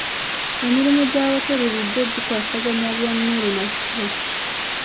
Emirimu gya wooteeri bulijjo gikwasaganya bya mmere na nsula.